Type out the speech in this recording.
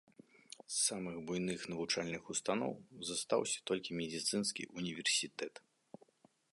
З самых буйных навучальных устаноў застаўся толькі медыцынскі універсітэт.